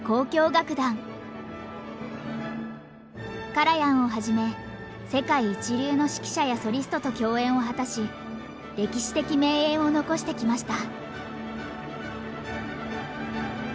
カラヤンをはじめ世界一流の指揮者やソリストと共演を果たし歴史的名演を残してきました。